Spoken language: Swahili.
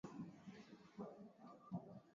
wapi soko litapatikana